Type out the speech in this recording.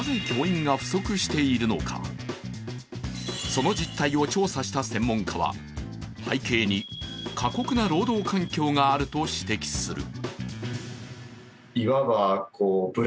その実態を調査した専門家は背景に過酷な労働環境があると指摘する。